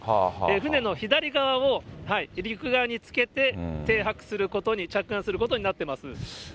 船の左側を陸側につけて停泊することに、着岸することになってます。